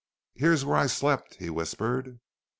"Here's where I slept," he whispered.